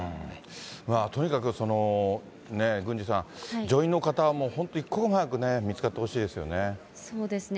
とにかく郡司さん、乗員の方、一刻も早く見つかってほしいですそうですね。